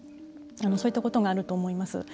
そういったことがあると思います。